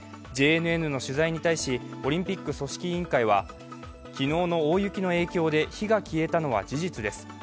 ＪＮＮの取材に対しオリンピック組織委員会は昨日の大雪の影響で火が消えたのは事実です。